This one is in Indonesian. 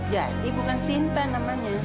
jadi bukan cinta namanya